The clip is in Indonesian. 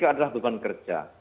ketiga adalah beban kerja